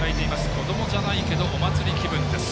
こどもじゃないけどお祭り気分です。